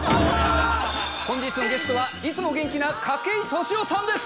本日のゲストはいつも元気な筧利夫さんです！